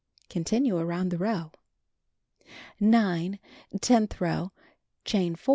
Continue around the row. 9. Tenth row : Chain 4.